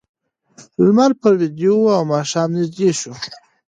لمر په لوېدو و او ماښام نږدې شو.